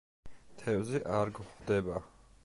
თევზი არ გვხვდება.